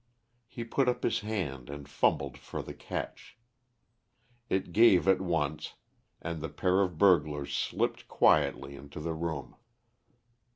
He put up his hand and fumbled for the catch. It gave at once and the pair of burglars slipped quietly into the room.